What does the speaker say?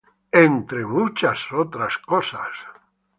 Entre muchas otras cosas.